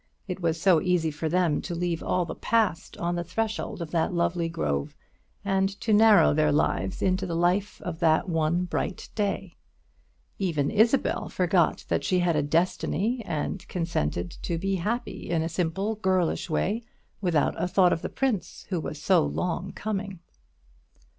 It was so easy for them to leave all the Past on the threshold of that lovely grove, and to narrow their lives into the life of that one bright day. Even Isabel forgot that she had a Destiny, and consented to be happy in a simple girlish way, without a thought of the prince who was so long coming.